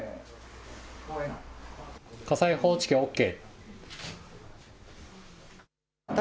火災報知器ＯＫ。